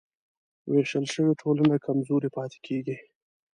وېشل شوې ټولنه کمزورې پاتې کېږي.